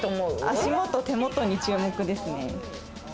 足元、手元に注目ですね。